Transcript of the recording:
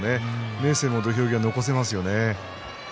明生も土俵際、残せますよね。